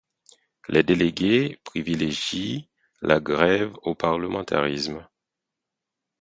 Les délégués privilégient la grève au parlementarisme.